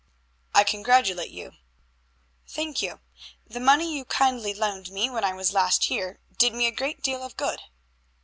"I congratulate you." "Thank you. The money you kindly loaned me when I was last here did me a great deal of good."